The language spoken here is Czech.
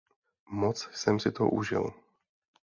Moc jsem si to užil.